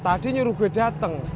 tadi nyuruh gue dateng